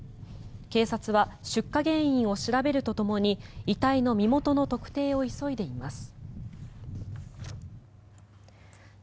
警察は出火原因を調べるとともに遺体の身元の特定を急いでいます。